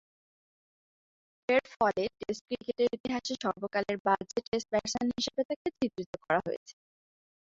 এরফলে, টেস্ট ক্রিকেটের ইতিহাসে সর্বকালের বাজে টেস্ট ব্যাটসম্যান হিসেবে তাকে চিত্রিত করা হয়েছে।